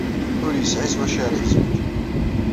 Ur yesɛi s wacu ara yezwej.